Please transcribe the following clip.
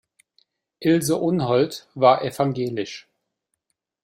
Ilse Unold war evangelisch.